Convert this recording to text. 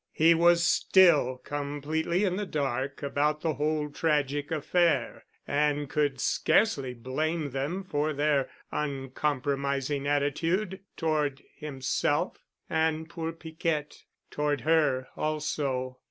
He was still completely in the dark about the whole tragic affair and could scarcely blame them for their uncompromising attitude toward himself—and poor Piquette—toward her also.